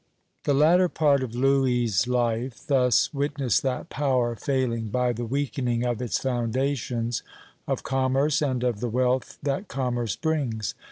The latter part of Louis' life thus witnessed that power failing by the weakening of its foundations, of commerce, and of the wealth that commerce brings.